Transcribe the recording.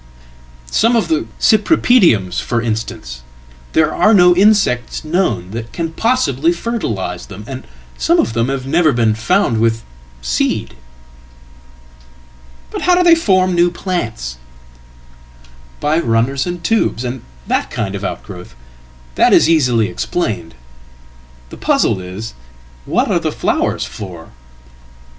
Some of theCypripediums, for instance; there are no insects known that can possiblyfertilise them, and some of them have never been found with seed.""But how do they form new plants?""By runners and tubers, and that kind of outgrowth. That is easilyexplained. The puzzle is, what are the flowers for?"